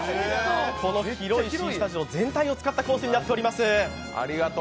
この広いＣスタジオ全体を使ったコースになっています。